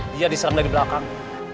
dia diserang dari belakang